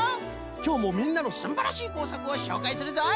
きょうもみんなのすんばらしいこうさくをしょうかいするぞい！